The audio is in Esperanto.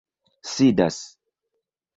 sidas